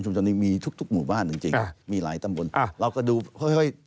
ยำอีกทีสี่ธนาคาร